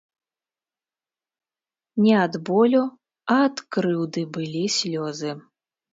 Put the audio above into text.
Не ад болю, а ад крыўды былі слёзы.